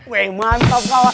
weh mantap kawan